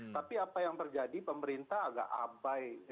tapi apa yang terjadi pemerintah agak abai